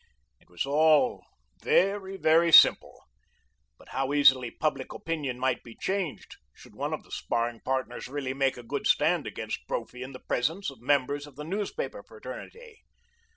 It was all very, very simple; but how easily public opinion might be changed should one of the sparring partners really make a good stand against Brophy in the presence of members of the newspaper fraternity!